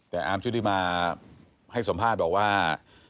แต่อาร์มชุธิมาให้สัมภาษณ์บอกว่า